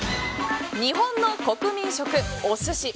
日本の国民食、お寿司。